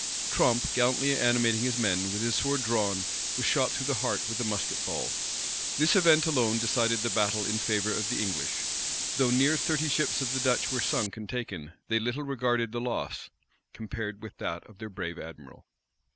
Tromp, gallantly animating his men, with his sword drawn, was shot through the heart with a musket ball. This event alone decided the battle in favor of the English. Though near thirty ships of the Dutch were sunk and taken, they little regarded this loss compared with that of their brave admiral.